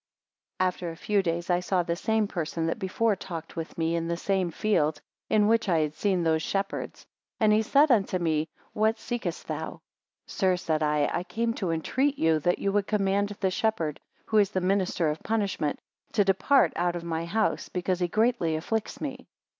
AFTER a few days I saw the same person that before talked with me, in the same field, in which I had seen those shepherds, And he said unto me; What seekest thou? Sir, said I, I came to entreat you that You would command the shepherd, who is the minister of punishment, to depart out of my house, because he greatly afflicts me.